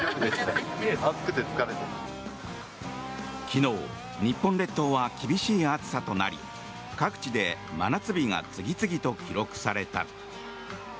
昨日、日本列島は厳しい暑さとなり各地で真夏日が次々と記録された。